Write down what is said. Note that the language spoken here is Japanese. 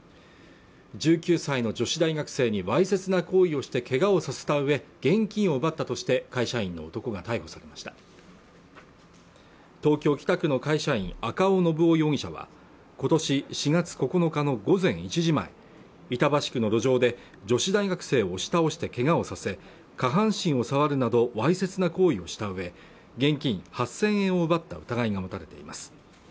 １９歳の女子大学生にわいせつな行為をしてけがをさせたうえ現金を奪ったとして会社員の男が逮捕されました東京北区の会社員赤尾信雄容疑者は今年４月９日の午前１時前板橋区の路上で女子大学生を押し倒して怪我をさせ下半身を触るなどわいせつな行為をしたうえ現金８０００円を奪った疑いが持たれています